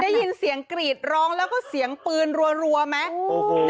ได้ยินเสียงกรีดร้องแล้วก็เสียงปืนรัวไหม